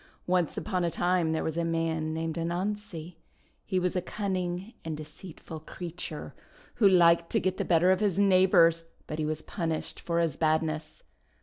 Once upon a time there was a man named Anansi. He was a cunning and deceitful creature, who liked to get the better of his neighbours; but he was punished for his badness.